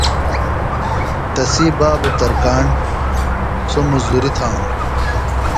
تسی بابو ترکاݨ ۔ سوۡ مزدوری تھانو۔